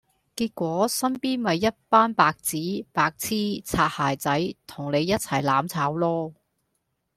結果身邊咪一班白紙、白癡、擦鞋仔同你一齊攬炒囉